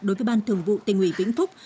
đối với ban thường vụ tình ủy vĩnh phúc